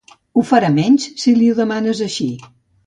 Ho farà menys, si li ho demanes així.